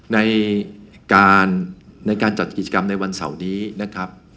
ในการในการจัดกิจกรรมในวันเสาร์นี้นะครับ